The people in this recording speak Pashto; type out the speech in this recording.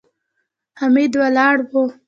حميد ولاړ و.